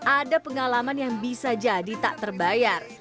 ada pengalaman yang bisa jadi tak terbayar